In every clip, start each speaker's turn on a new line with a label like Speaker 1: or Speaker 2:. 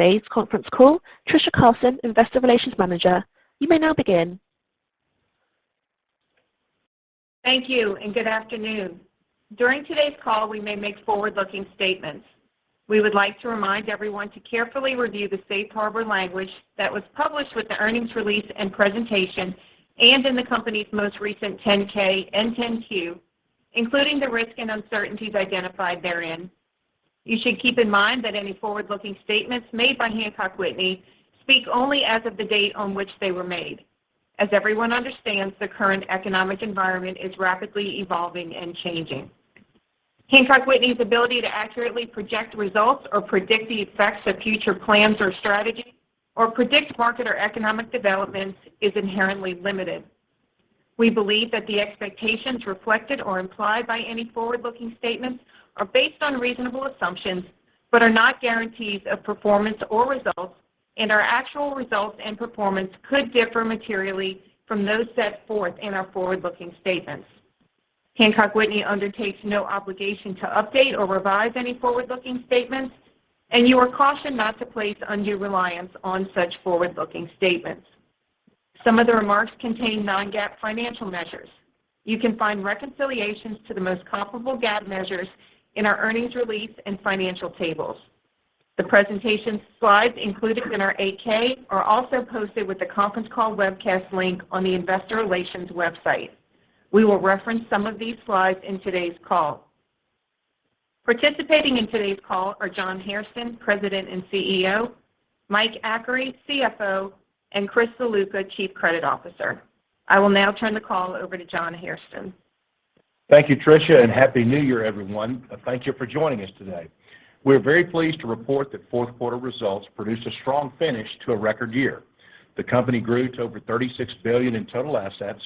Speaker 1: Today's conference call, Trisha Carlson, Investor Relations Manager. You may now begin.
Speaker 2: Thank you and good afternoon. During today's call, we may make forward-looking statements. We would like to remind everyone to carefully review the safe harbor language that was published with the earnings release and presentation and in the company's most recent 10-K and 10-Q, including the risks and uncertainties identified therein. You should keep in mind that any forward-looking statements made by Hancock Whitney speak only as of the date on which they were made. As everyone understands, the current economic environment is rapidly evolving and changing. Hancock Whitney's ability to accurately project results or predict the effects of future plans or strategies or predict market or economic developments is inherently limited. We believe that the expectations reflected or implied by any forward-looking statements are based on reasonable assumptions, but are not guarantees of performance or results, and our actual results and performance could differ materially from those set forth in our forward-looking statements. Hancock Whitney undertakes no obligation to update or revise any forward-looking statements, and you are cautioned not to place undue reliance on such forward-looking statements. Some of the remarks contain non-GAAP financial measures. You can find reconciliations to the most comparable GAAP measures in our earnings release and financial tables. The presentation slides included in our 8-K are also posted with the conference call webcast link on the investor relations website. We will reference some of these slides in today's call. Participating in today's call are John Hairston, President and CEO, Mike Achary, CFO, and Chris Ziluca, Chief Credit Officer. I will now turn the call over to John Hairston.
Speaker 3: Thank you, Trisha, and Happy New Year, everyone. Thank you for joining us today. We're very pleased to report that fourth quarter results produced a strong finish to a record year. The company grew to over $36 billion in total assets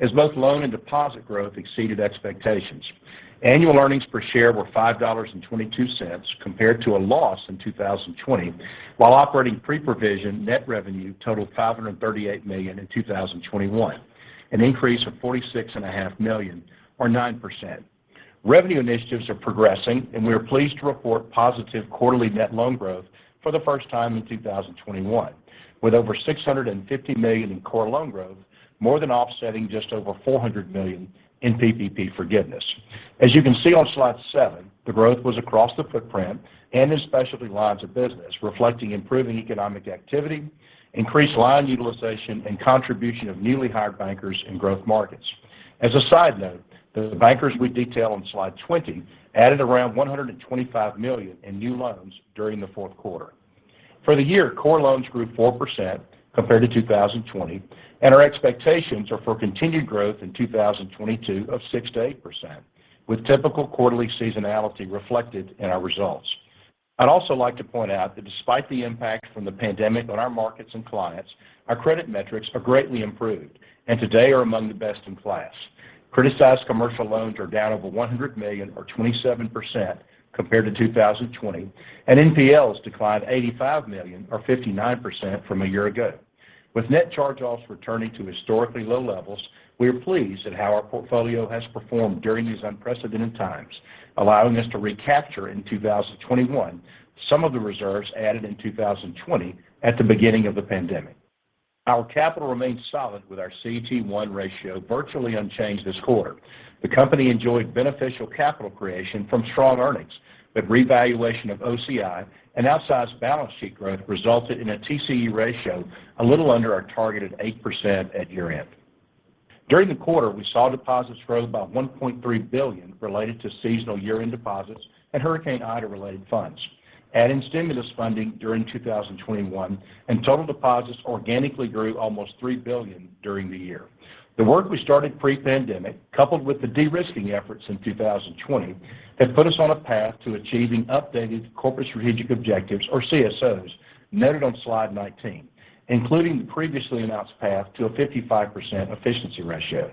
Speaker 3: as both loan and deposit growth exceeded expectations. Annual earnings per share were $5.22 compared to a loss in 2020. While operating pre-provision, net revenue totaled $538 million in 2021, an increase of $46.5 million or 9%. Revenue initiatives are progressing, and we are pleased to report positive quarterly net loan growth for the first time in 2021, with over $650 million in core loan growth, more than offsetting just over $400 million in PPP forgiveness. As you can see on slide seven, the growth was across the footprint and in specialty lines of business, reflecting improving economic activity, increased line utilization, and contribution of newly hired bankers in growth markets. As a side note, the bankers we detail on slide 20 added around $125 million in new loans during the fourth quarter. For the year, core loans grew 4% compared to 2020, and our expectations are for continued growth in 2022 of 6%-8%, with typical quarterly seasonality reflected in our results. I'd also like to point out that despite the impact from the pandemic on our markets and clients, our credit metrics are greatly improved and today are among the best in class. Criticized commercial loans are down over $100 million or 27% compared to 2020, and NPLs declined $85 million or 59% from a year ago. With net charge-offs returning to historically low levels, we are pleased at how our portfolio has performed during these unprecedented times, allowing us to recapture in 2021 some of the reserves added in 2020 at the beginning of the pandemic. Our capital remains solid with our CET1 ratio virtually unchanged this quarter. The company enjoyed beneficial capital creation from strong earnings, but revaluation of OCI and outsized balance sheet growth resulted in a TCE ratio a little under our targeted 8% at year-end. During the quarter, we saw deposits grow by $1.3 billion related to seasonal year-end deposits and Hurricane Ida related funds. Add in stimulus funding during 2021 and total deposits organically grew almost $3 billion during the year. The work we started pre-pandemic, coupled with the de-risking efforts in 2020, have put us on a path to achieving updated corporate strategic objectives or CSOs noted on slide 19, including the previously announced path to a 55% efficiency ratio.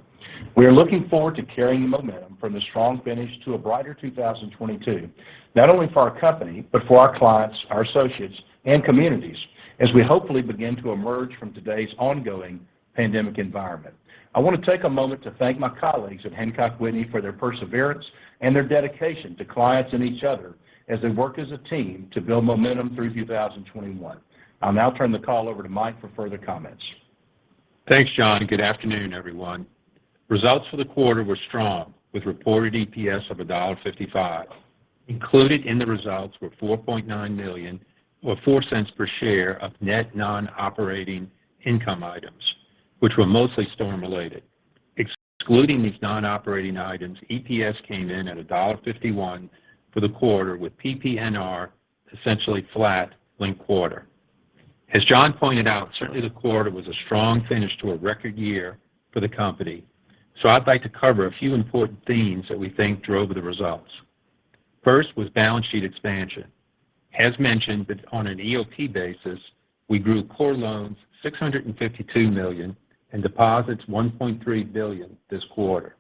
Speaker 3: We are looking forward to carrying the momentum from the strong finish to a brighter 2022, not only for our company, but for our clients, our associates and communities as we hopefully begin to emerge from today's ongoing pandemic environment. I want to take a moment to thank my colleagues at Hancock Whitney for their perseverance and their dedication to clients and each other as they worked as a team to build momentum through 2021. I'll now turn the call over to Mike Achary for further comments.
Speaker 4: Thanks, John, and good afternoon, everyone. Results for the quarter were strong with reported EPS of $1.55. Included in the results were $4.9 million or $0.04 per share of net non-operating income items, which were mostly storm-related. Excluding these non-operating items, EPS came in at $1.51 for the quarter, with PPNR essentially flat linked quarter. As John pointed out, certainly the quarter was a strong finish to a record year for the company. I'd like to cover a few important themes that we think drove the results. First was balance sheet expansion. As mentioned, on an EOP basis, we grew core loans $652 million and deposits $1.3 billion this quarter.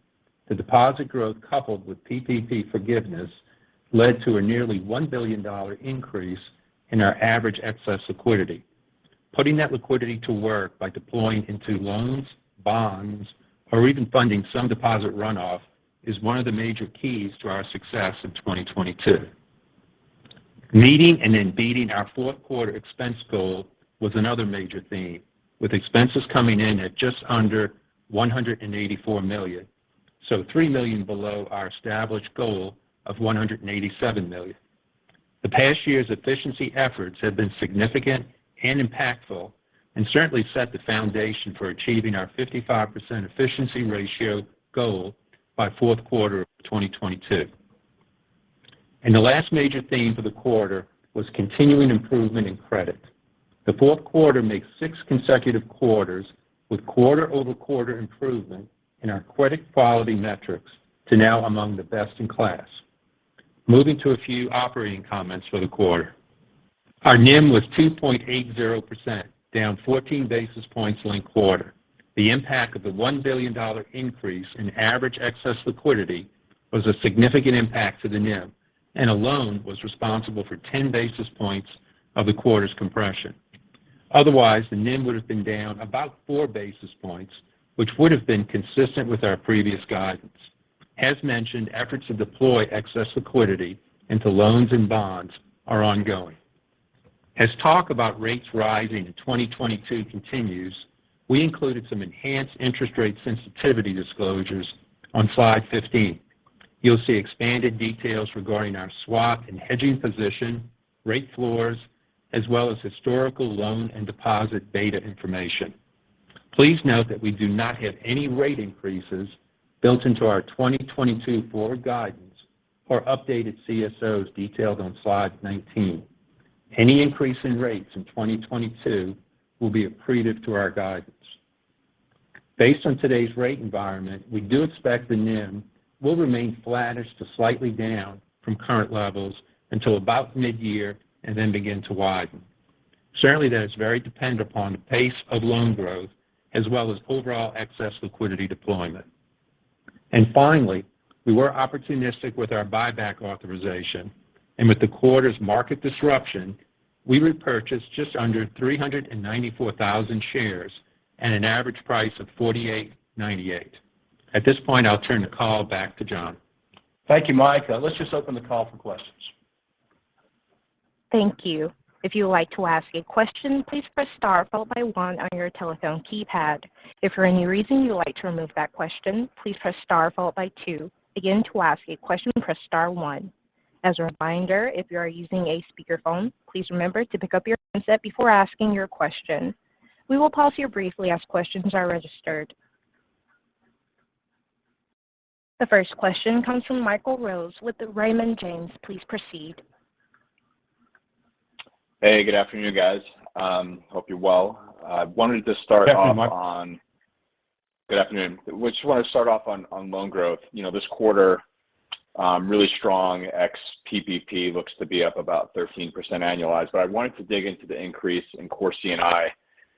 Speaker 4: The deposit growth, coupled with PPP forgiveness, led to a nearly $1 billion increase in our average excess liquidity. Putting that liquidity to work by deploying into loans, bonds, or even funding some deposit runoff is one of the major keys to our success in 2022. Meeting and then beating our fourth quarter expense goal was another major theme, with expenses coming in at just under $184 million, so $3 million below our established goal of $187 million. The past year's efficiency efforts have been significant and impactful and certainly set the foundation for achieving our 55% efficiency ratio goal by fourth quarter of 2022. The last major theme for the quarter was continuing improvement in credit. The fourth quarter makes six consecutive quarters with quarter-over-quarter improvement in our credit quality metrics to now among the best in class. Moving to a few operating comments for the quarter. Our NIM was 2.80%, down 14 basis points linked quarter. The impact of the $1 billion increase in average excess liquidity was a significant impact to the NIM, and alone was responsible for 10 basis points of the quarter's compression. Otherwise, the NIM would have been down about 4 basis points, which would have been consistent with our previous guidance. As mentioned, efforts to deploy excess liquidity into loans and bonds are ongoing. As talk about rates rising in 2022 continues, we included some enhanced interest rate sensitivity disclosures on slide 15. You'll see expanded details regarding our swap and hedging position, rate floors, as well as historical loan and deposit data information. Please note that we do not have any rate increases built into our 2022 forward guidance or updated CSOs detailed on slide 19. Any increase in rates in 2022 will be accretive to our guidance. Based on today's rate environment, we do expect the NIM will remain flattish to slightly down from current levels until about mid-year and then begin to widen. Certainly, that is very dependent upon the pace of loan growth as well as overall excess liquidity deployment. Finally, we were opportunistic with our buyback authorization, and with the quarter's market disruption, we repurchased just under 394,000 shares at an average price of $48.98. At this point, I'll turn the call back to John.
Speaker 3: Thank you, Mike. Let's just open the call for questions.
Speaker 1: Thank you. If you would like to ask a question, please press star followed by one on your telephone keypad. If for any reason you would like to remove that question, please press star followed by two. Again, to ask a question, press star one. As a reminder, if you are using a speakerphone, please remember to pick up your handset before asking your question. We will pause here briefly as questions are registered. The first question comes from Michael Rose with Raymond James. Please proceed.
Speaker 5: Hey, good afternoon, guys. Hope you're well. I wanted to start off on.
Speaker 3: Good afternoon, Michael.
Speaker 5: Good afternoon. Just wanted to start off on loan growth. You know, this quarter, really strong ex PPP looks to be up about 13% annualized, but I wanted to dig into the increase in core C&I,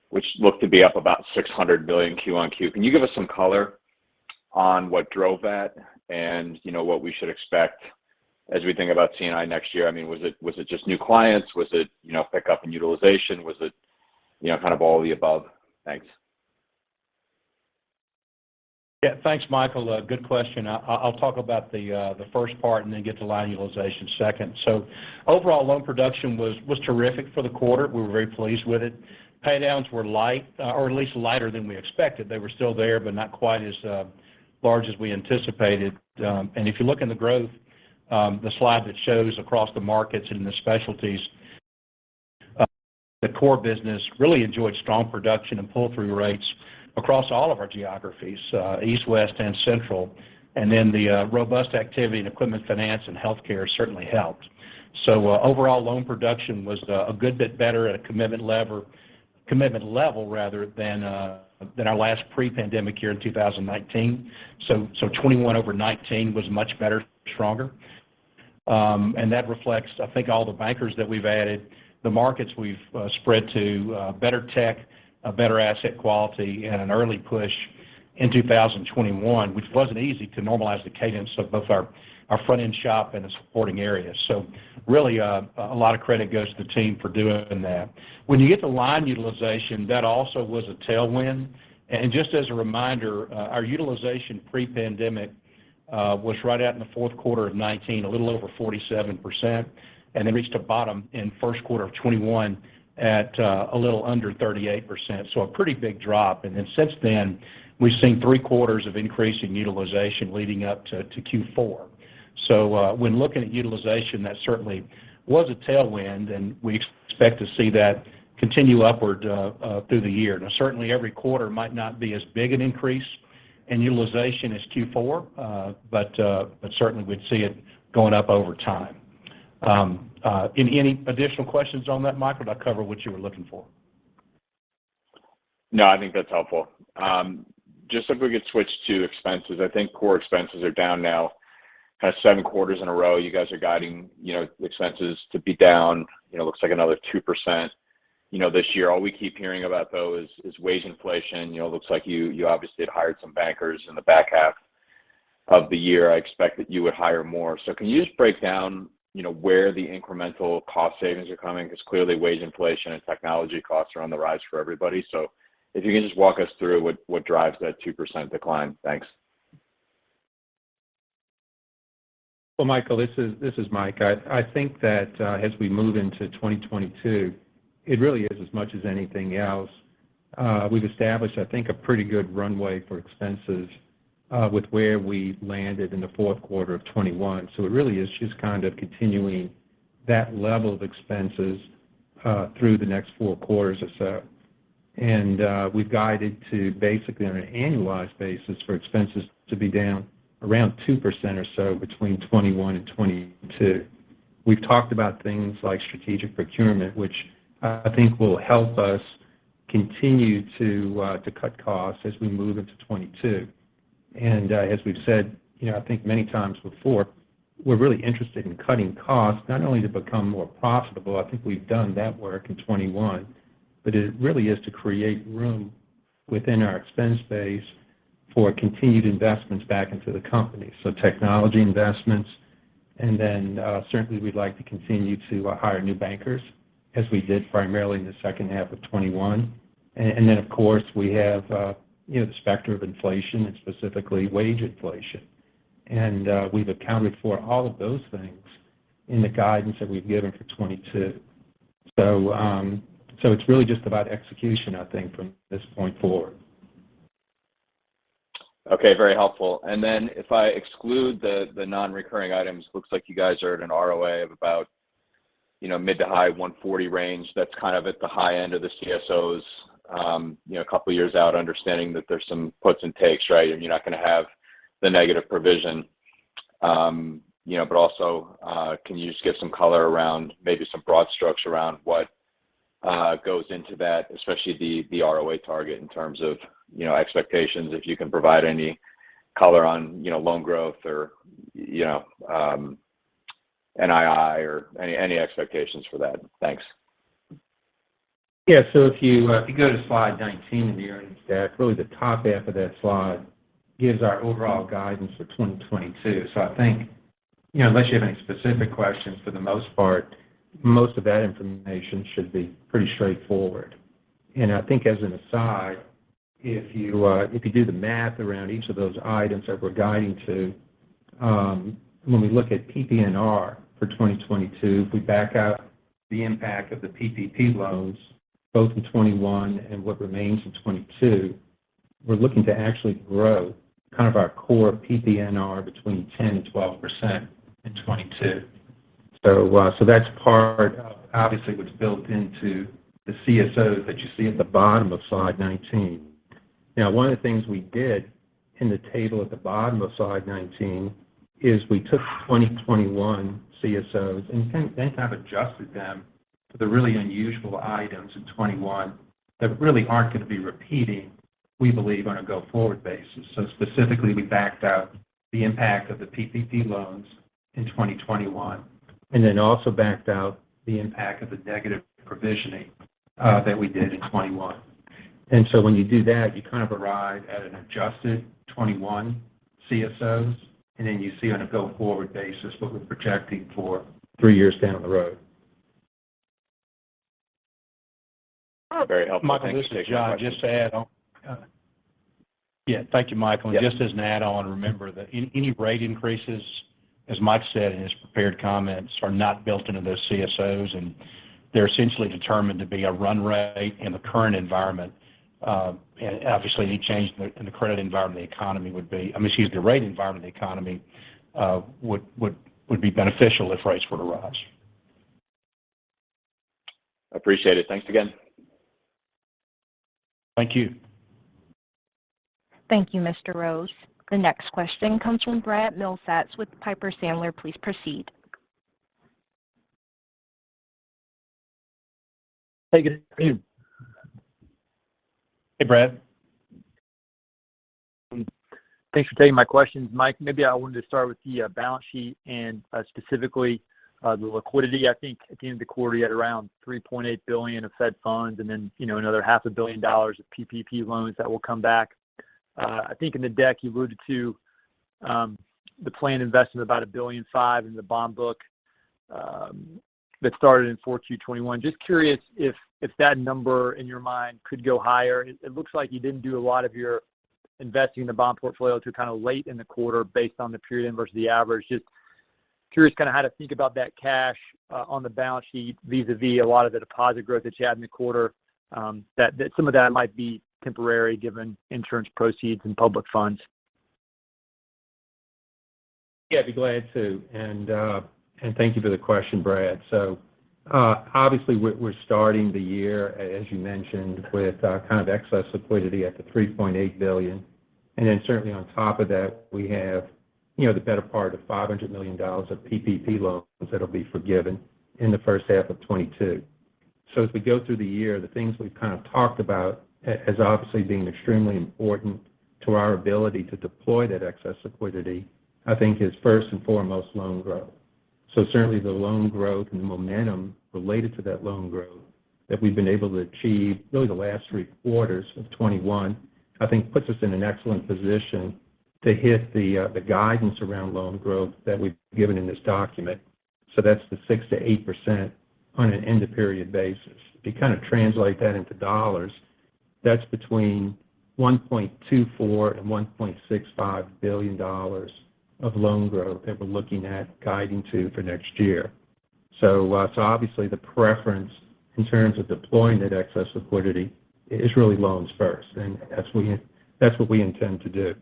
Speaker 5: which looked to be up about $600 million Q-o-Q. Can you give us some color on what drove that and, you know, what we should expect as we think about C&I next year? I mean, was it just new clients? Was it, you know, pickup in utilization? Was it, you know, kind of all the above? Thanks.
Speaker 3: Yeah. Thanks, Michael. Good question. I'll talk about the first part and then get to line utilization second. Overall loan production was terrific for the quarter. We were very pleased with it. Paydowns were light, or at least lighter than we expected. They were still there, but not quite as large as we anticipated. If you look in the growth, the slide that shows across the markets and the specialties, the core business really enjoyed strong production and pull-through rates across all of our geographies, East, West, and Central. The robust activity in equipment finance and healthcare certainly helped. Overall loan production was a good bit better at a commitment level rather than our last pre-pandemic year in 2019. 2021 over 2019 was much better, stronger. That reflects, I think, all the bankers that we've added, the markets we've spread to, better tech, a better asset quality, and an early push in 2021, which wasn't easy to normalize the cadence of both our front-end shop and the supporting areas. Really, a lot of credit goes to the team for doing that. When you get to line utilization, that also was a tailwind. Just as a reminder, our utilization pre-pandemic was right around in the fourth quarter of 2019, a little over 47%, and it reached a bottom in first quarter of 2021 at a little under 38%. A pretty big drop. Then since then, we've seen three quarters of increasing utilization leading up to Q4. When looking at utilization, that certainly was a tailwind, and we expect to see that continue upward through the year. Now, certainly every quarter might not be as big an increase in utilization as Q4, but certainly we'd see it going up over time. Any additional questions on that, Michael, or did I cover what you were looking for?
Speaker 5: No, I think that's helpful. Just if we could switch to expenses. I think core expenses are down now kind of seven quarters in a row. You guys are guiding, you know, expenses to be down, you know, looks like another 2%, you know, this year. All we keep hearing about, though, is wage inflation. You know, looks like you obviously had hired some bankers in the back half of the year. I expect that you would hire more. Can you just break down, you know, where the incremental cost savings are coming? Because clearly wage inflation and technology costs are on the rise for everybody. If you can just walk us through what drives that 2% decline. Thanks.
Speaker 4: Well, Michael, this is Mike. I think that as we move into 2022, it really is as much as anything else. We've established, I think, a pretty good runway for expenses with where we landed in the fourth quarter of 2021. It really is just kind of continuing that level of expenses through the next four quarters or so. We've guided to basically on an annualized basis for expenses to be down around 2% or so between 2021 and 2022. We've talked about things like strategic procurement, which I think will help us continue to cut costs as we move into 2022. As we've said, you know, I think many times before, we're really interested in cutting costs, not only to become more profitable, I think we've done that work in 2021, but it really is to create room within our expense base for continued investments back into the company. Technology investments, and then certainly we'd like to continue to hire new bankers as we did primarily in the second half of 2021. Then of course, we have, you know, the specter of inflation and specifically wage inflation. We've accounted for all of those things in the guidance that we've given for 2022. It's really just about execution, I think, from this point forward.
Speaker 5: Okay. Very helpful. If I exclude the non-recurring items, looks like you guys are at an ROA of about, you know, mid- to high 1.40 range. That's kind of at the high end of the CSOs, you know, a couple years out understanding that there's some puts and takes, right? You're not going to have the negative provision. You know, but also, can you just give some color around maybe some broad strokes around what goes into that, especially the ROA target in terms of, you know, expectations, if you can provide any color on, you know, loan growth or, you know, NII or any expectations for that. Thanks.
Speaker 4: Yeah. If you go to slide 19 of the earnings deck, really the top half of that slide gives our overall guidance for 2022. I think, you know, unless you have any specific questions for the most part, most of that information should be pretty straightforward. I think as an aside, if you do the math around each of those items that we're guiding to, when we look at PPNR for 2022, if we back out the impact of the PPP loans both in 2021 and what remains in 2022, we're looking to actually grow kind of our core PPNR between 10% and 12% in 2022. That's part of obviously what's built into the CSOs that you see at the bottom of slide 19. Now, one of the things we did in the table at the bottom of slide 19 is we took 2021 CSOs and kind of adjusted them to the really unusual items in 2021 that really aren't going to be repeating, we believe, on a go-forward basis. Specifically, we backed out the impact of the PPP loans in 2021, and then also backed out the impact of the negative provisioning that we did in 2021. When you do that, you kind of arrive at an adjusted 2021 CSOs, and then you see on a go-forward basis what we're projecting for three years down the road.
Speaker 5: Very helpful. Thank you.
Speaker 3: Michael, this is John. Just to add on. Yeah. Thank you, Michael.
Speaker 5: Yeah.
Speaker 3: Just as an add-on, remember that any rate increases, as Mike said in his prepared comments, are not built into those CSOs, and they're essentially determined to be a run rate in the current environment. Obviously, I mean, excuse me, any change in the rate environment of the economy would be beneficial if rates were to rise.
Speaker 5: Appreciate it. Thanks again.
Speaker 3: Thank you.
Speaker 1: Thank you, Mr. Rose. The next question comes from Brad Milsaps with Piper Sandler. Please proceed.
Speaker 6: Hey, good afternoon.
Speaker 4: Hey, Brad.
Speaker 6: Thanks for taking my questions. Mike, maybe I wanted to start with the balance sheet and specifically the liquidity. I think at the end of the quarter, you had around $3.8 billion of Fed funds, and then another half a billion dollars of PPP loans that will come back. I think in the deck you alluded to the planned investment of about $1.5 billion in the bond book that started in 4Q 2021. Just curious if that number in your mind could go higher. It looks like you didn't do a lot of your investing in the bond portfolio till kind of late in the quarter based on the period versus the average. Just curious kind of how to think about that cash on the balance sheet vis-à-vis a lot of the deposit growth that you had in the quarter, that some of that might be temporary given insurance proceeds and public funds.
Speaker 4: Yeah, I'd be glad to. Thank you for the question, Brad. Obviously, we're starting the year, as you mentioned, with kind of excess liquidity at the $3.8 billion. Then certainly on top of that, we have, you know, the better part of $500 million of PPP loans that'll be forgiven in the first half of 2022. As we go through the year, the things we've kind of talked about as obviously being extremely important to our ability to deploy that excess liquidity, I think is first and foremost loan growth. Certainly the loan growth and the momentum related to that loan growth that we've been able to achieve really the last three quarters of 2021, I think puts us in an excellent position to hit the guidance around loan growth that we've given in this document. That's the 6%-8% on an end of period basis. To kind of translate that into dollars, that's between $1.24 billion and $1.65 billion of loan growth that we're looking at guiding to for next year. Obviously the preference in terms of deploying that excess liquidity is really loans first, and that's what we intend to do.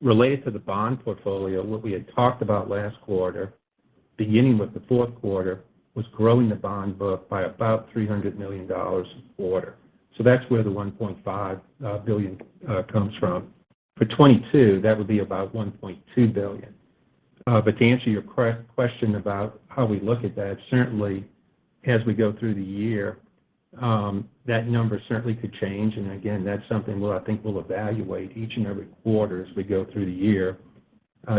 Speaker 4: Related to the bond portfolio, what we had talked about last quarter, beginning with the fourth quarter, was growing the bond book by about $300 million a quarter. That's where the $1.5 billion comes from. For 2022, that would be about $1.2 billion. To answer your question about how we look at that, certainly as we go through the year, that number certainly could change. Again, that's something I think we'll evaluate each and every quarter as we go through the year,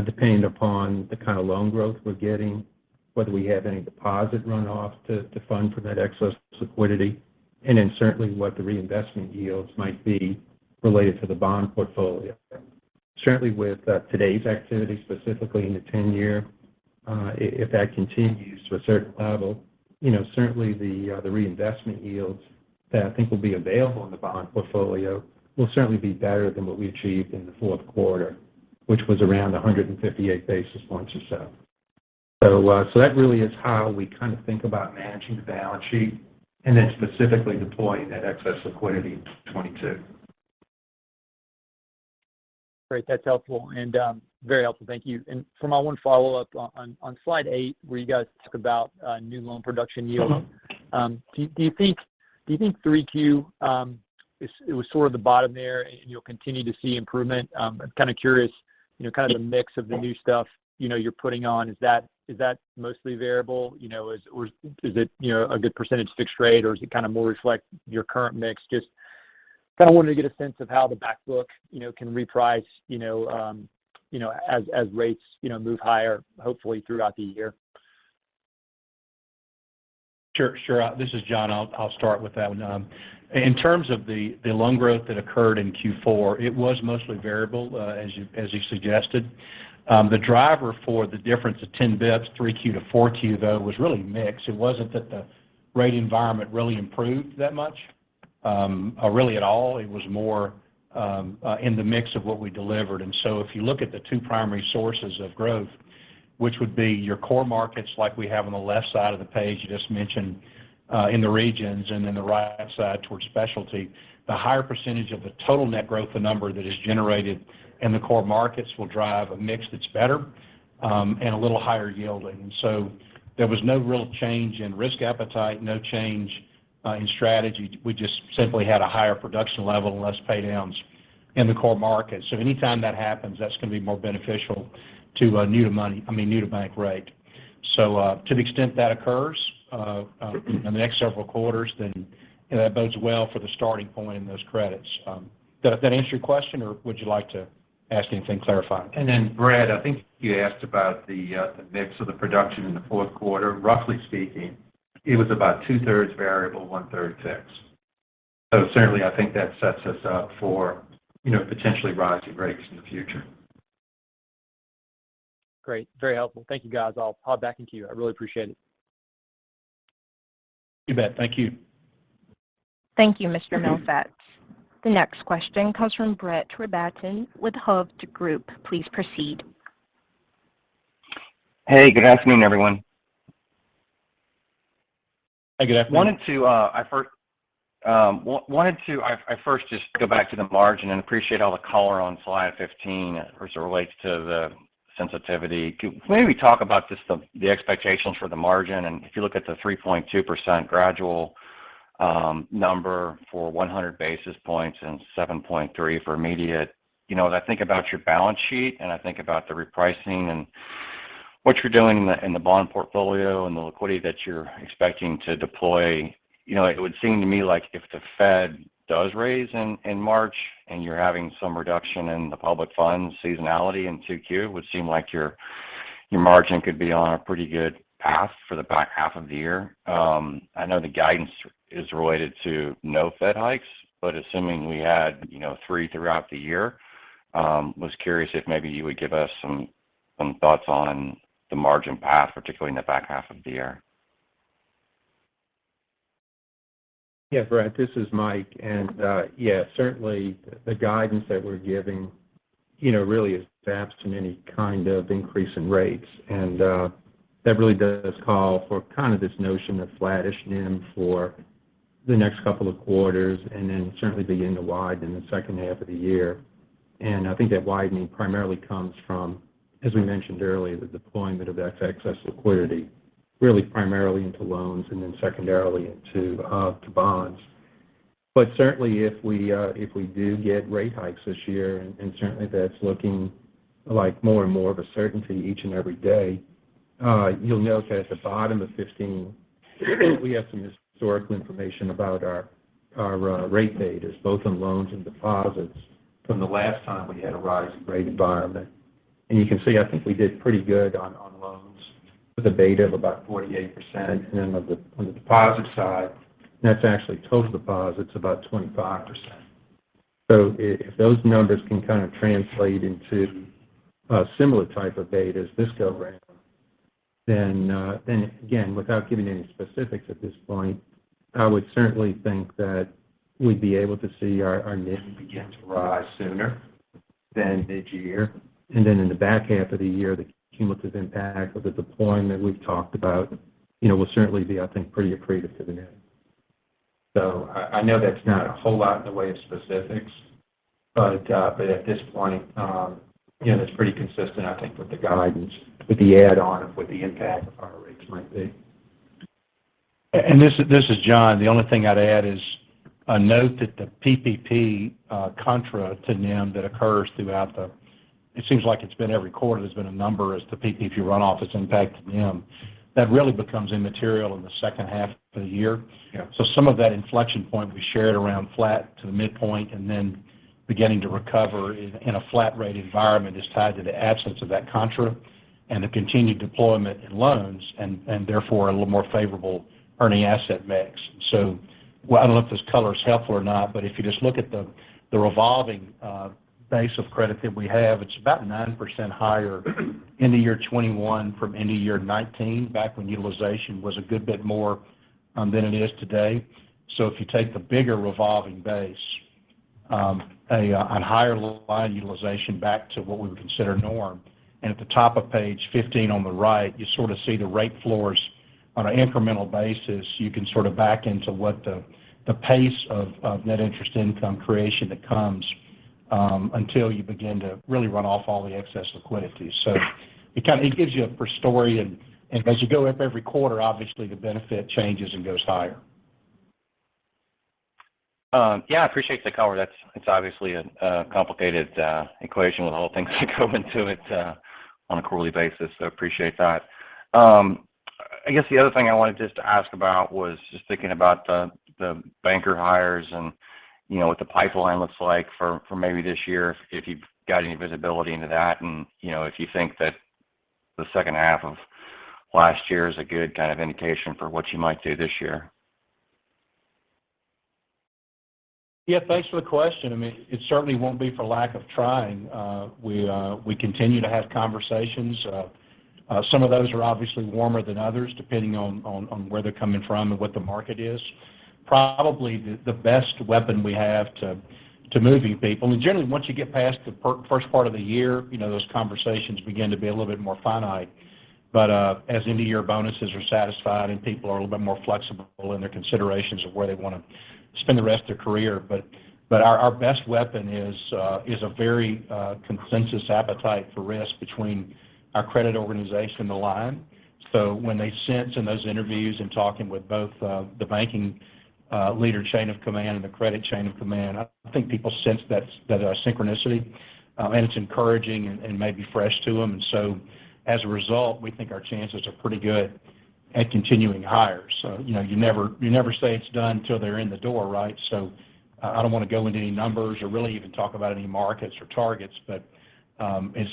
Speaker 4: depending upon the kind of loan growth we're getting, whether we have any deposit runoff to fund for that excess liquidity, and then certainly what the reinvestment yields might be related to the bond portfolio. Certainly with today's activity, specifically in the 10-year, if that continues to a certain level, you know, certainly the reinvestment yields that I think will be available in the bond portfolio will certainly be better than what we achieved in the fourth quarter, which was around 158 basis points or so. That really is how we kind of think about managing the balance sheet and then specifically deploying that excess liquidity in 2022.
Speaker 6: Great. That's helpful and very helpful. Thank you. For my one follow-up on slide eight, where you guys talk about new loan production yield, do you think 3Q was sort of the bottom there and you'll continue to see improvement? I'm kind of curious, you know, kind of the mix of the new stuff, you know, you're putting on. Is that mostly variable? You know, or is it, you know, a good percentage fixed rate, or does it kind of more reflect your current mix? Just kind of wanted to get a sense of how the back book, you know, can reprice, you know, as rates, you know, move higher, hopefully throughout the year.
Speaker 3: Sure. This is John. I'll start with that one. In terms of the loan growth that occurred in Q4, it was mostly variable, as you suggested. The driver for the difference of 10 basis points, 3Q to 4Q, though, was really mix. It wasn't that the rate environment really improved that much, or really at all. It was more in the mix of what we delivered. If you look at the two primary sources of growth, which would be your core markets like we have on the left side of the page you just mentioned, in the regions and then the right side towards specialty, the higher percentage of the total net growth, the number that is generated in the core markets, will drive a mix that's better, and a little higher yielding. There was no real change in risk appetite, no change in strategy. We just simply had a higher production level and less pay downs in the core market. Anytime that happens, that's going to be more beneficial to new to bank rate. To the extent that occurs in the next several quarters, then that bodes well for the starting point in those credits. Does that answer your question, or would you like to ask anything clarifying? Brad, I think you asked about the mix of the production in the fourth quarter. Roughly speaking, it was about two-thirds variable, one-third fixed. Certainly I think that sets us up for, you know, potentially rising rates in the future.
Speaker 6: Great. Very helpful. Thank you, guys. I'll back in to you. I really appreciate it.
Speaker 3: You bet. Thank you.
Speaker 1: Thank you, Mr. Milsaps. The next question comes from Brett Rabatin with Hovde Group. Please proceed.
Speaker 7: Hey, good afternoon, everyone.
Speaker 4: Hey, good afternoon.
Speaker 7: I first just go back to the margin and appreciate all the color on slide 15 as it relates to the sensitivity. Can maybe talk about just the expectations for the margin, and if you look at the 3.2% gradual number for 100 basis points and 7.3 for immediate. You know, as I think about your balance sheet, and I think about the repricing and what you're doing in the bond portfolio and the liquidity that you're expecting to deploy, you know, it would seem to me like if the Fed does raise in March and you're having some reduction in the public funds seasonality in 2Q, it would seem like your margin could be on a pretty good path for the back half of the year. I know the guidance is related to no Fed hikes, but assuming we had, you know, three throughout the year, was curious if maybe you would give us some thoughts on the margin path, particularly in the back half of the year.
Speaker 4: Yeah, Brett, this is Mike. Yeah, certainly the guidance that we're giving, you know, really is based on any kind of increase in rates. That really does call for kind of this notion of flattish NIM for the next couple of quarters and then certainly beginning to widen in the second half of the year. I think that widening primarily comes from, as we mentioned earlier, the deployment of that excess liquidity, really primarily into loans and then secondarily into bonds. Certainly if we do get rate hikes this year, and certainly that's looking like more and more of a certainty each and every day, you'll note that at the bottom of 15 we have some historical information about our rate paid on both loans and deposits from the last time we had a rising rate environment. You can see, I think we did pretty good on loans with a beta of about 48%. Then on the deposit side, and that's actually total deposits, about 25%. If those numbers can kind of translate into a similar type of beta as this go round, then again, without giving any specifics at this point, I would certainly think that we'd be able to see our NIM begin to rise sooner than mid-year. Then in the back half of the year, the cumulative impact of the deployment we've talked about, you know, will certainly be, I think, pretty accretive to the NIM. I know that's not a whole lot in the way of specifics, but but at this point, you know, that's pretty consistent, I think, with the guidance, with the add on of what the impact of our rates might be.
Speaker 3: This is John. The only thing I'd add is a note that the PPP contra to NIM that occurs throughout the. It seems like it's been every quarter, there's been a number as to PPP runoff has impacted NIM. That really becomes immaterial in the second half of the year.
Speaker 4: Yeah.
Speaker 3: Some of that inflection point we shared around flat to the midpoint and then beginning to recover in a flat rate environment is tied to the absence of that contra and the continued deployment in loans and therefore a little more favorable earning asset mix. I don't know if this color is helpful or not, but if you just look at the revolving base of credit that we have, it's about 9% higher end of year 2021 from end of year 2019, back when utilization was a good bit more than it is today. If you take the bigger revolving base on higher line utilization back to what we would consider norm, and at the top of page 15 on the right, you sort of see the rate floors on an incremental basis. You can sort of back into what the pace of net interest income creation that comes until you begin to really run off all the excess liquidity. It gives you a story and as you go up every quarter, obviously the benefit changes and goes higher.
Speaker 7: Yeah, I appreciate the color. It's obviously a complicated equation with all the things that go into it on a quarterly basis, so appreciate that. I guess the other thing I wanted just to ask about was just thinking about the banker hires and you know what the pipeline looks like for maybe this year, if you've got any visibility into that. You know, if you think that the second half of last year is a good kind of indication for what you might do this year.
Speaker 3: Yeah. Thanks for the question. I mean, it certainly won't be for lack of trying. We continue to have conversations. Some of those are obviously warmer than others, depending on where they're coming from and what the market is. Probably the best weapon we have to moving people generally, once you get past the first part of the year, you know, those conversations begin to be a little bit more finite. As end of year bonuses are satisfied and people are a little bit more flexible in their considerations of where they want to spend the rest of their career. Our best weapon is a very consensus appetite for risk between our credit organization and the line. When they sense in those interviews and talking with both the banking leader chain of command and the credit chain of command, I think people sense that that synchronicity and it's encouraging and maybe fresh to them. As a result, we think our chances are pretty good at continuing hires. You know, you never say it's done till they're in the door, right? I don't want to go into any numbers or really even talk about any markets or targets.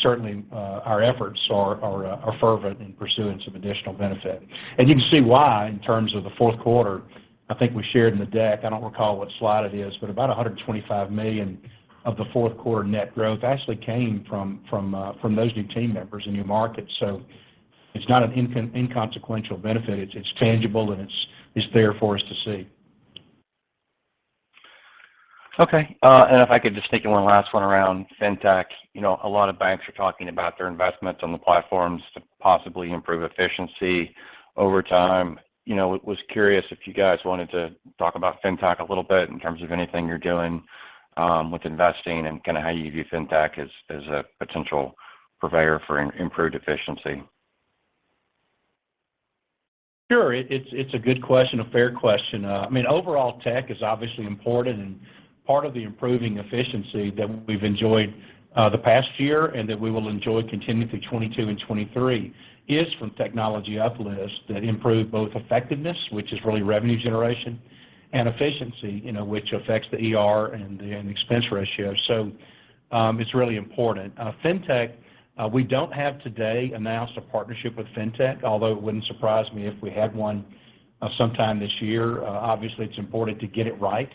Speaker 3: Certainly our efforts are fervent in pursuance of additional benefit. You can see why in terms of the fourth quarter. I think we shared in the deck. I don't recall what slide it is, but about $125 million of the fourth quarter net growth actually came from those new team members and new markets. It's not an inconsequential benefit. It's tangible and it's there for us to see.
Speaker 7: Okay. If I could just take one last one around fintech. You know, a lot of banks are talking about their investments on the platforms to possibly improve efficiency over time. You know, I was curious if you guys wanted to talk about fintech a little bit in terms of anything you're doing with investing and kind of how you view fintech as a potential purveyor for improved efficiency.
Speaker 3: It's a good question, a fair question. I mean, overall tech is obviously important and part of the improving efficiency that we've enjoyed the past year and that we will enjoy continuing through 2022 and 2023 is from technology uplifts that improve both effectiveness, which is really revenue generation, and efficiency, you know, which affects the ER and the expense ratio. It's really important. Fintech, we don't have today announced a partnership with fintech, although it wouldn't surprise me if we had one sometime this year. Obviously it's important to get it right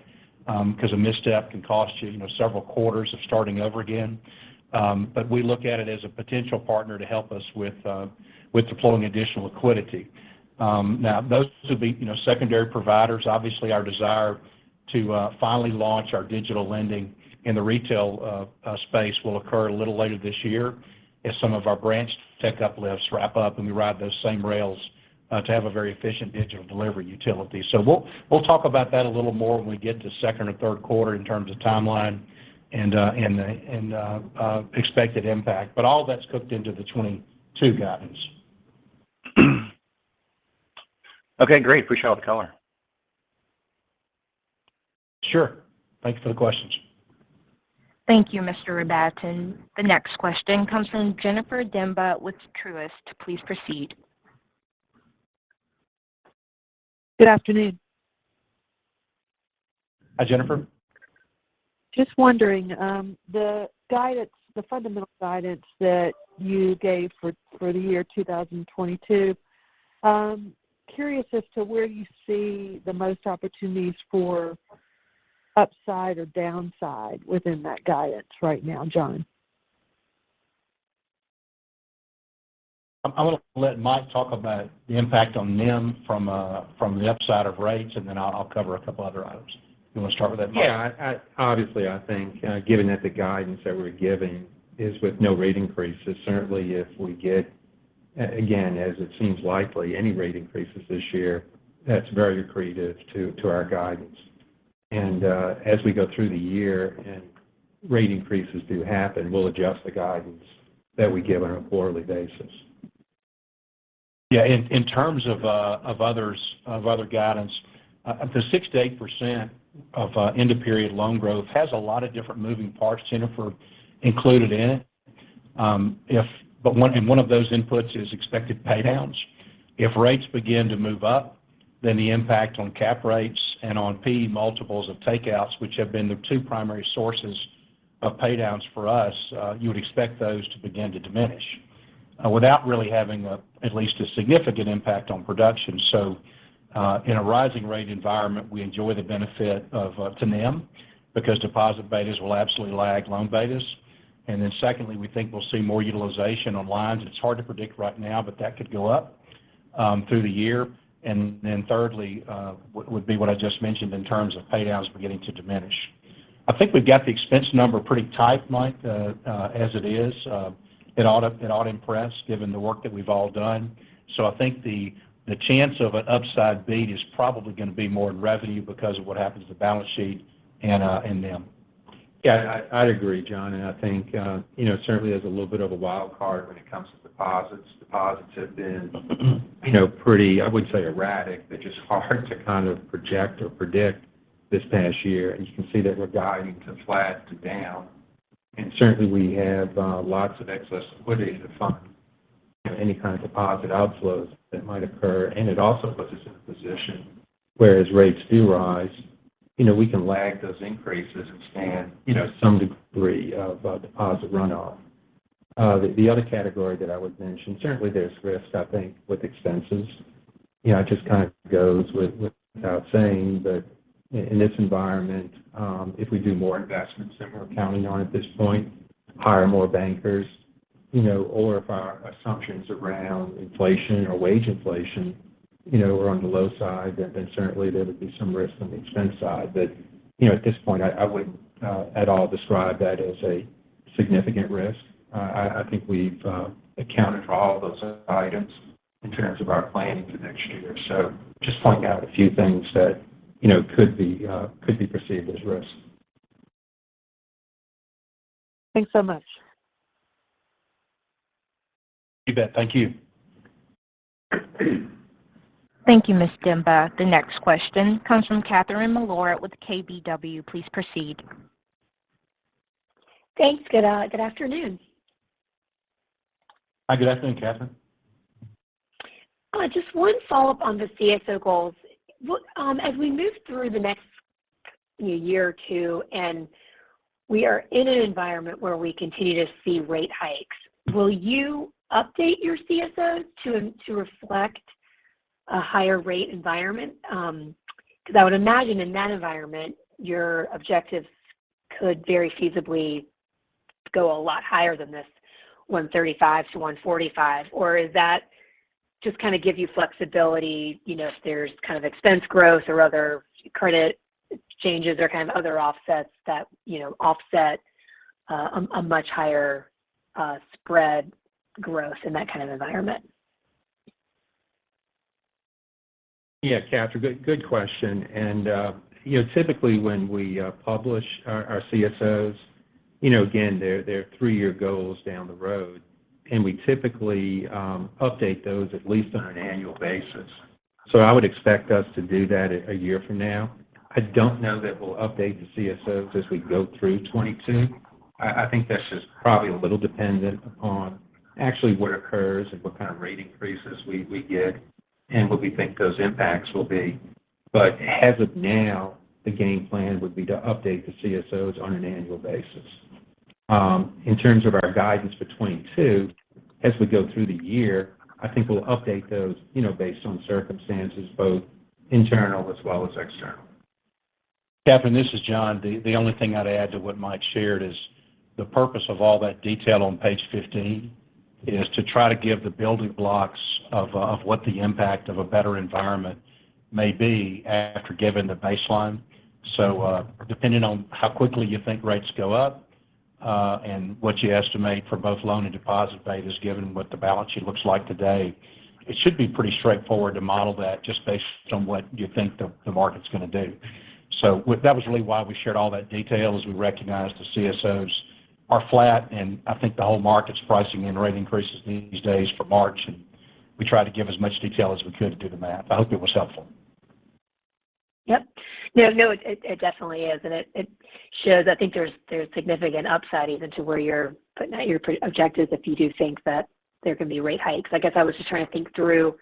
Speaker 3: because a misstep can cost you know, several quarters of starting over again. We look at it as a potential partner to help us with deploying additional liquidity. Now those will be, you know, secondary providers. Obviously, our desire to finally launch our digital lending in the retail space will occur a little later this year as some of our branch tech uplifts wrap up and we ride those same rails to have a very efficient digital delivery utility. We'll talk about that a little more when we get to second or third quarter in terms of timeline and expected impact. All that's cooked into the 2022 guidance.
Speaker 7: Okay, great. Appreciate all the color.
Speaker 3: Sure. Thanks for the questions.
Speaker 1: Thank you, Mr. Rabatin. The next question comes from Jennifer Demba with Truist. Please proceed.
Speaker 8: Good afternoon.
Speaker 4: Hi, Jennifer.
Speaker 8: Just wondering, the guidance, the fundamental guidance that you gave for the year 2022, curious as to where you see the most opportunities for upside or downside within that guidance right now, John?
Speaker 3: I'm gonna let Mike talk about the impact on NIM from the upside of rates, and then I'll cover a couple other items. You want to start with that, Mike?
Speaker 4: Yeah. I obviously think, given that the guidance that we're giving is with no rate increases, certainly if we get, again, as it seems likely, any rate increases this year, that's very accretive to our guidance. As we go through the year and rate increases do happen, we'll adjust the guidance that we give on a quarterly basis.
Speaker 3: Yeah, in terms of other guidance, the 6%-8% end of period loan growth has a lot of different moving parts, Jennifer, included in it. But one of those inputs is expected pay downs. If rates begin to move up, then the impact on cap rates and on PE multiples of takeouts, which have been the two primary sources of pay downs for us, you would expect those to begin to diminish, without really having at least a significant impact on production. In a rising rate environment, we enjoy the benefit to NIM because deposit betas will absolutely lag loan betas. Secondly, we think we'll see more utilization on lines. It's hard to predict right now, but that could go up through the year. Thirdly, would be what I just mentioned in terms of pay downs beginning to diminish. I think we've got the expense number pretty tight, Mike, as it is. It ought to impress given the work that we've all done. I think the chance of an upside beat is probably going to be more in revenue because of what happens to the balance sheet and in NIM.
Speaker 4: Yeah, I'd agree, John, and I think you know, certainly there's a little bit of a wild card when it comes to deposits. Deposits have been you know, pretty, I would say, erratic, but just hard to kind of project or predict this past year. You can see that we're guiding to flat to down. Certainly we have lots of excess liquidity to fund you know, any kind of deposit outflows that might occur. It also puts us in a position where as rates do rise, you know, we can lag those increases and withstand you know, some degree of deposit runoff. The other category that I would mention, certainly there's risk, I think, with expenses. You know, it just kind of goes without saying. In this environment, if we do more investments than we're counting on at this point, hire more bankers, you know, or if our assumptions around inflation or wage inflation, you know, are on the low side, then certainly there would be some risk on the expense side. You know, at this point, I wouldn't at all describe that as a significant risk. I think we've accounted for all of those items in terms of our planning for next year. Just pointing out a few things that, you know, could be perceived as risks.
Speaker 8: Thanks so much.
Speaker 4: You bet. Thank you.
Speaker 1: Thank you, Ms. Demba. The next question comes from Catherine Mealor with KBW. Please proceed.
Speaker 9: Thanks. Good afternoon.
Speaker 4: Hi, good afternoon, Catherine.
Speaker 9: Just one follow-up on the CSO goals. What as we move through the next year or two, and we are in an environment where we continue to see rate hikes, will you update your CSOs to reflect a higher rate environment? Because I would imagine in that environment, your objectives could very feasibly go a lot higher than this 135-145. Or is that just kind of give you flexibility, you know, if there's kind of expense growth or other credit changes or kind of other offsets that, you know, offset a much higher spread growth in that kind of environment?
Speaker 4: Yeah, Catherine, good question. You know, typically when we publish our CSOs, you know, again, they're three-year goals down the road, and we typically update those at least on an annual basis. I would expect us to do that a year from now. I don't know that we'll update the CSOs as we go through 2022. I think that's just probably a little dependent upon actually what occurs and what kind of rate increases we get and what we think those impacts will be. As of now, the game plan would be to update the CSOs on an annual basis. In terms of our guidance for 2022, as we go through the year, I think we'll update those, you know, based on circumstances both internal as well as external.
Speaker 3: Catherine, this is John. The only thing I'd add to what Mike shared is the purpose of all that detail on page 15 is to try to give the building blocks of what the impact of a better environment may be after giving the baseline. Depending on how quickly you think rates go up, and what you estimate for both loan and deposit betas, given what the balance sheet looks like today, it should be pretty straightforward to model that just based on what you think the market's going to do. That was really why we shared all that detail as we recognize the CSOs are flat, and I think the whole market's pricing in rate increases these days for March, and we try to give as much detail as we could due to that. I hope it was helpful.
Speaker 9: Yep. No, no, it definitely is. It shows I think there's significant upside even to where you're putting out your objectives if you do think that there can be rate hikes. I guess I was just trying to think through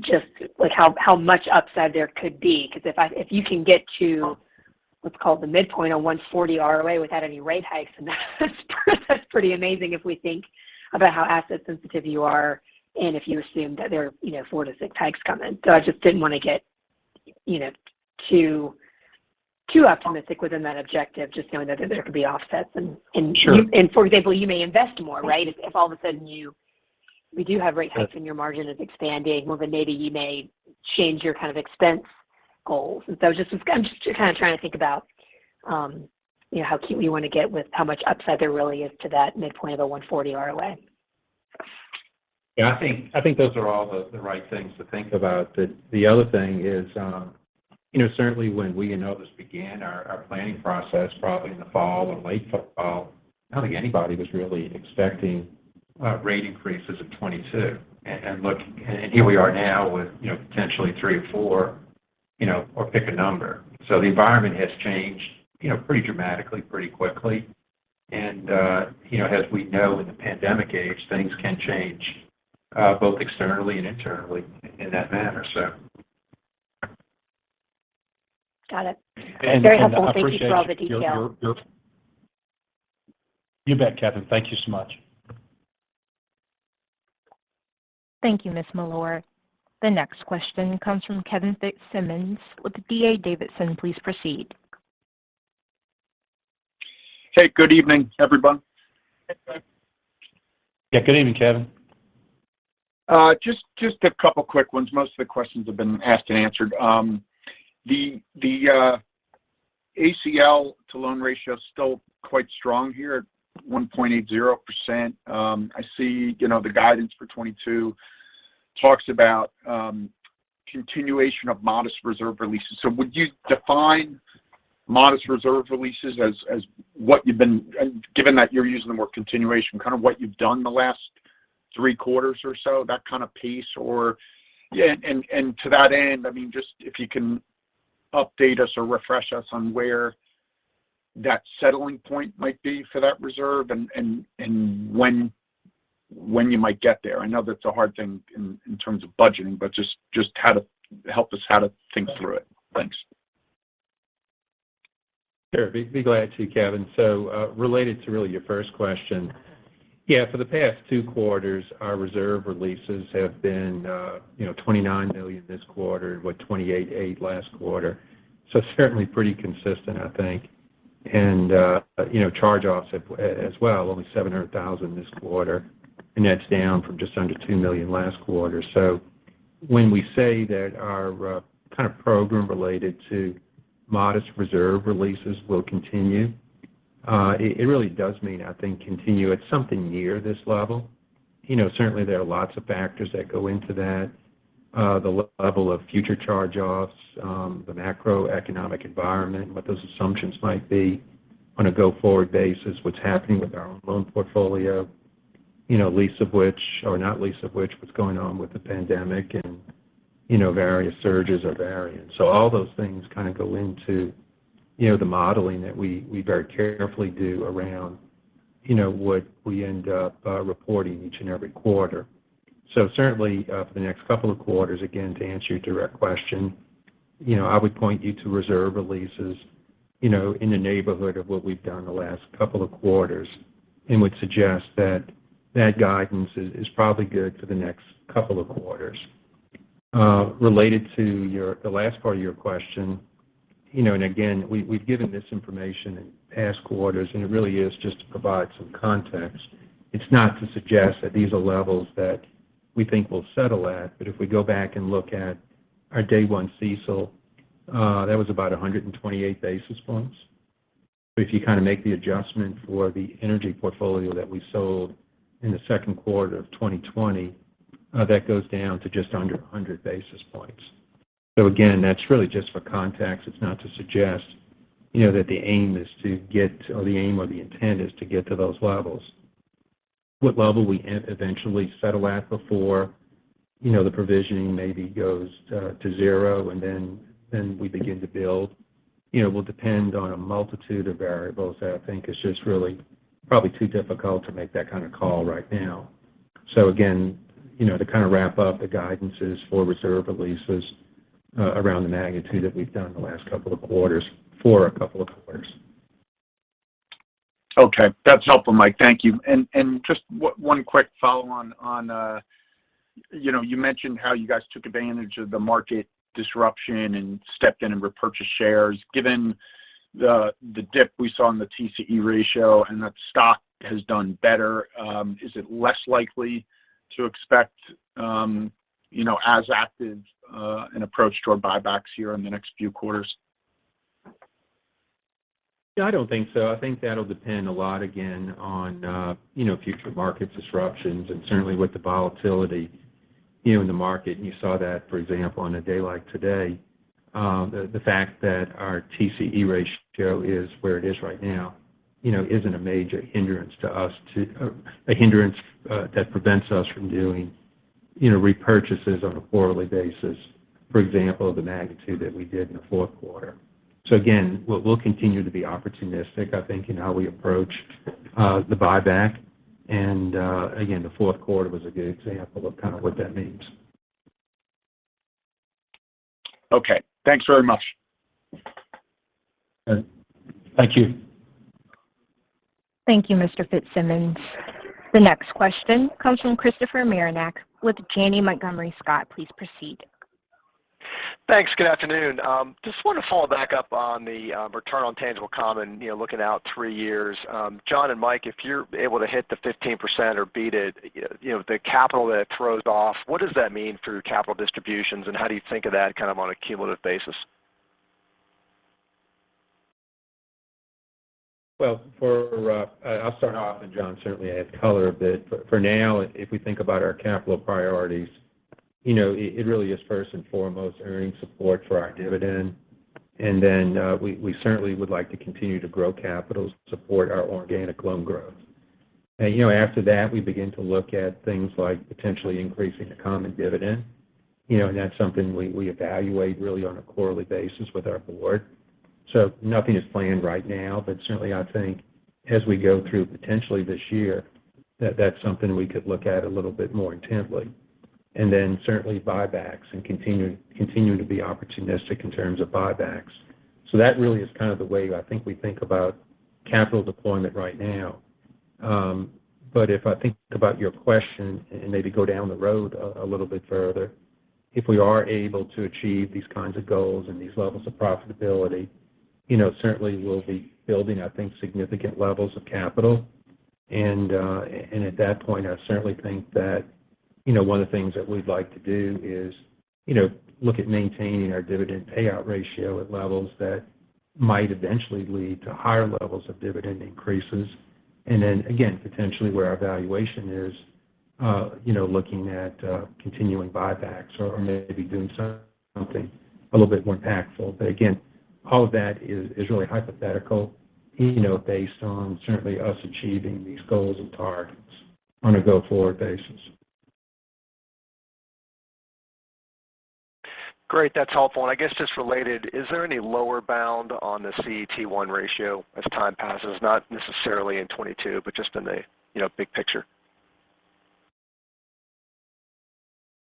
Speaker 9: just like how much upside there could be. 'Cause if you can get to what's called the midpoint on 1.40 ROA without any rate hikes, that's pretty amazing if we think about how asset sensitive you are and if you assume that there are you know 4-6 hikes coming. I just didn't want to get you know too optimistic within that objective, just knowing that there could be offsets.
Speaker 3: Sure.
Speaker 9: For example, you may invest more, right? If all of a sudden we do have rate hikes.
Speaker 3: Yes.
Speaker 9: Your margin is expanding, well, then maybe you may change your kind of expense goals. I'm just kind of trying to think about, you know, how cute we want to get with how much upside there really is to that midpoint of a 1.40 ROA.
Speaker 3: Yeah. I think those are all the right things to think about. The other thing is, you know, certainly when we began our planning process probably in the fall or late fall, I don't think anybody was really expecting rate increases of 22. Look, here we are now with, you know, potentially three or four, you know, or pick a number. So the environment has changed, you know, pretty dramatically, pretty quickly. You know, as we know in the pandemic age, things can change both externally and internally in that manner, so.
Speaker 9: Got it.
Speaker 3: I appreciate.
Speaker 9: Very helpful. Thank you for all the detail.
Speaker 4: You bet, Catherine. Thank you so much.
Speaker 1: Thank you, Ms. Mealor. The next question comes from Kevin Fitzsimmons with D.A. Davidson. Please proceed.
Speaker 10: Hey, good evening, everyone.
Speaker 4: Yeah. Good evening, Kevin.
Speaker 10: Just a couple quick ones. Most of the questions have been asked and answered. The ACL to loan ratio is still quite strong here at 1.80%. I see, you know the guidance for 2022 talks about continuation of modest reserve releases. Would you define modest reserve releases? Given that you're using the word continuation, kind of what you've done the last three quarters or so, that kind of pace? Yeah. To that end, I mean, just if you can update us or refresh us on where that settling point might be for that reserve and when you might get there. I know that's a hard thing in terms of budgeting, but help us how to thiink through it. Thanks.
Speaker 4: Sure. Be glad to, Kevin. Related to really your first question. Yeah, for the past two quarters, our reserve releases have been, you know, $29 million this quarter, with $28 million last quarter. Certainly pretty consistent, I think. You know, charge-offs as well, only $700,000 this quarter, and that's down from just under $2 million last quarter. When we say that our kind of program related to modest reserve releases will continue, it really does mean, I think, continue at something near this level. You know, certainly there are lots of factors that go into that. The level of future charge-offs, the macroeconomic environment, what those assumptions might be on a go-forward basis, what's happening with our own loan portfolio. You know, or not least of which, what's going on with the pandemic and, you know, various surges or variants. All those things kind of go into, you know, the modeling that we very carefully do around, you know, what we end up reporting each and every quarter. Certainly, for the next couple of quarters, again, to answer your direct question, you know, I would point you to reserve releases, you know, in the neighborhood of what we've done the last couple of quarters and would suggest that that guidance is probably good for the next couple of quarters. Related to the last part of your question, you know, and again, we've given this information in past quarters, and it really is just to provide some context. It's not to suggest that these are levels that we think we'll settle at. If we go back and look at our day one CECL, that was about 128 basis points. If you kind of make the adjustment for the energy portfolio that we sold in the second quarter of 2020, that goes down to just under 100 basis points. Again, that's really just for context. It's not to suggest, you know, that the aim is to get or the aim or the intent is to get to those levels. What level we eventually settle at before, you know, the provisioning maybe goes to zero and then we begin to build, you know, will depend on a multitude of variables that I think is just really probably too difficult to make that kind of call right now. Again, you know, to kind of wrap up the guidances for reserve releases, around the magnitude that we've done the last couple of quarters for a couple of quarters.
Speaker 10: Okay. That's helpful, Mike. Thank you. Just one quick follow on, you know, you mentioned how you guys took advantage of the market disruption and stepped in and repurchased shares. Given the dip we saw in the TCE ratio and that stock has done better, is it less likely to expect, you know, as active an approach to our buybacks here in the next few quarters?
Speaker 4: Yeah, I don't think so. I think that'll depend a lot, again, on, you know, future market disruptions and certainly with the volatility, you know, in the market. You saw that, for example, on a day like today. The fact that our TCE ratio is where it is right now, you know, isn't a major hindrance to us, a hindrance that prevents us from doing, you know, repurchases on a quarterly basis. For example, the magnitude that we did in the fourth quarter. Again, we'll continue to be opportunistic, I think, in how we approach the buyback. Again, the fourth quarter was a good example of kind of what that means.
Speaker 10: Okay. Thanks very much.
Speaker 4: Thank you.
Speaker 1: Thank you, Mr. Fitzsimmons. The next question comes from Christopher Marinac with Janney Montgomery Scott. Please proceed.
Speaker 11: Thanks. Good afternoon. Just wanted to follow back up on the return on tangible common, you know, looking out three years. John and Mike, if you're able to hit the 15% or beat it, you know, the capital that it throws off, what does that mean for capital distributions, and how do you think of that kind of on a cumulative basis?
Speaker 4: Well, I'll start off, and John certainly may add color a bit. For now, if we think about our capital priorities, you know, it really is first and foremost earning support for our dividend. We certainly would like to continue to grow capital to support our organic loan growth. You know, after that, we begin to look at things like potentially increasing the common dividend. You know, that's something we evaluate really on a quarterly basis with our board. Nothing is planned right now, but certainly I think as we go through potentially this year, that's something we could look at a little bit more intently. Certainly buybacks and continuing to be opportunistic in terms of buybacks. That really is kind of the way I think we think about capital deployment right now. If I think about your question and maybe go down the road a little bit further, if we are able to achieve these kinds of goals and these levels of profitability, you know, certainly we'll be building, I think, significant levels of capital. At that point, I certainly think that, you know, one of the things that we'd like to do is, you know, look at maintaining our dividend payout ratio at levels that might eventually lead to higher levels of dividend increases. Potentially where our valuation is, you know, looking at continuing buybacks or maybe doing something a little bit more impactful. All of that is really hypothetical, you know, based on certainly us achieving these goals and targets on a go-forward basis.
Speaker 11: Great. That's helpful. I guess just related, is there any lower bound on the CET1 ratio as time passes? Not necessarily in 2022, but just in the, you know, big picture.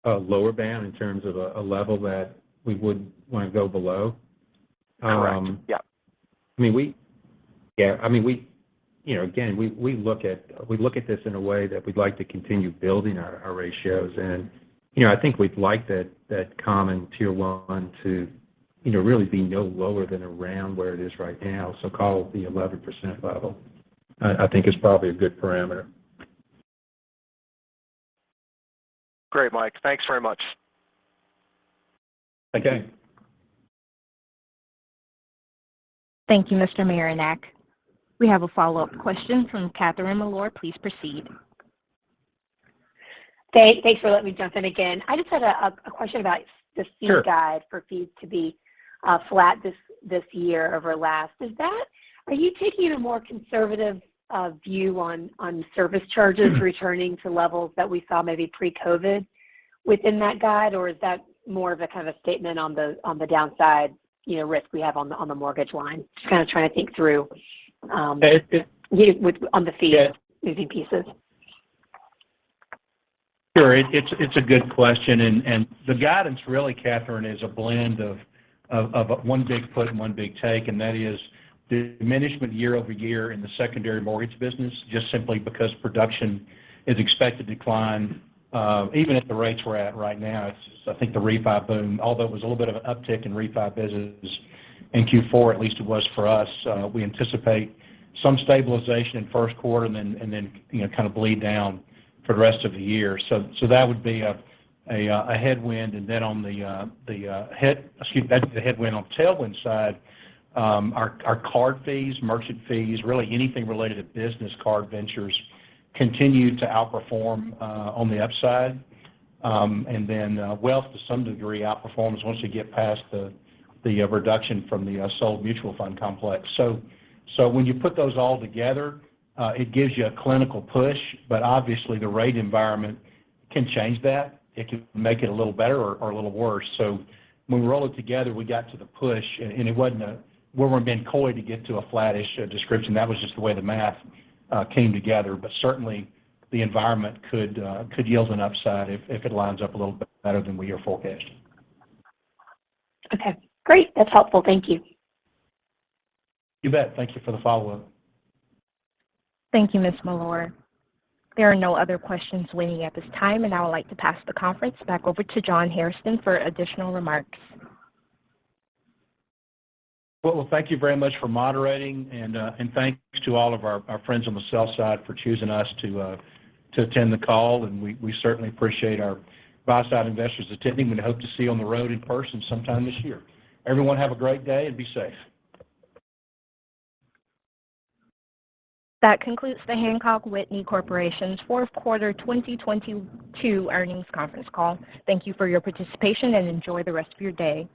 Speaker 4: A lower bound in terms of a level that we wouldn't want to go below?
Speaker 11: Correct. Yeah.
Speaker 4: I mean, we you know again we look at this in a way that we'd like to continue building our ratios. You know, I think we'd like that common Tier 1 to you know really be no lower than around where it is right now. Call it the 11% level, I think is probably a good parameter.
Speaker 11: Great, Mike. Thanks very much.
Speaker 4: Thank you.
Speaker 1: Thank you, Mr. Marinac. We have a follow-up question from Catherine Mealor. Please proceed.
Speaker 9: Thanks for letting me jump in again. I just had a question about.
Speaker 3: Sure.
Speaker 9: The fee guide for fees to be flat this year over last. Is that? Are you taking a more conservative view on service charges returning to levels that we saw maybe pre-COVID within that guide? Or is that more of a kind of a statement on the downside, you know, risk we have on the mortgage line? Just kind of trying to think through.
Speaker 3: It's.
Speaker 9: With, on the fee.
Speaker 3: Yeah.
Speaker 9: Moving pieces.
Speaker 3: Sure. It's a good question. The guidance really, Catherine, is a blend of one big put and one big take, and that is the margin year-over-year in the secondary mortgage business, just simply because production is expected to decline even at the rates we're at right now. It's. I think the refi boom, although it was a little bit of an uptick in refi business in Q4, at least it was for us, we anticipate some stabilization in first quarter and then, you know, kind of bleed down for the rest of the year. That would be a headwind. On the headwind on the tailwind side, our card fees, merchant fees, really anything related to business card ventures continue to outperform on the upside. Wealth to some degree outperforms once you get past the reduction from the sold mutual fund complex. When you put those all together, it gives you a net push, but obviously the rate environment can change that. It could make it a little better or a little worse. When we roll it together, we got to the push and it wasn't, we weren't being coy to get to a flattish description. That was just the way the math came together. Certainly the environment could yield an upside if it lines up a little bit better than we are forecasting.
Speaker 9: Okay, great. That's helpful. Thank you.
Speaker 3: You bet. Thank you for the follow-up.
Speaker 1: Thank you, Ms. Mealor. There are no other questions waiting at this time, and I would like to pass the conference back over to John Hairston for additional remarks.
Speaker 3: Well, thank you very much for moderating and thanks to all of our friends on the sell side for choosing us to attend the call. We certainly appreciate our buy side investors attending. We hope to see you on the road in person sometime this year. Everyone have a great day and be safe.
Speaker 1: That concludes the Hancock Whitney Corporation's fourth quarter 2021 earnings conference call. Thank you for your participation, and enjoy the rest of your day.